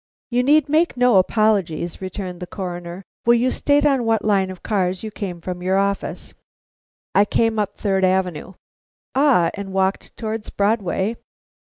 "You need make no apologies," returned the Coroner. "Will you state on what line of cars you came from your office?" "I came up Third Avenue." "Ah! and walked towards Broadway?"